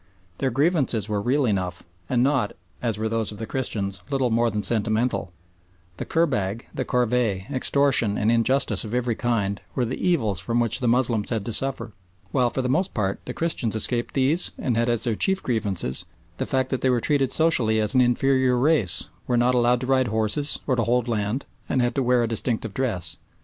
Their grievances were real enough, and not, as were those of the Christians, little more than sentimental; the kurbag, the corvée, extortion and injustice of every kind, were the evils from which the Moslems had to suffer, while for the most part the Christians escaped these and had as their chief grievances the facts that they were treated socially as an inferior race, were not allowed to ride horses, or to hold land, and had to wear a distinctive dress.